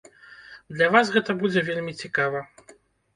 Для вас гэта будзе вельмі цікава.